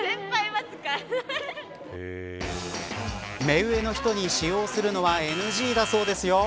目上の人に使用するのはＮＧだそうですよ。